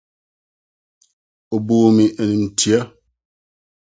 Obuu me animtiaa.